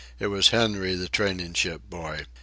It was Henry, the training ship boy.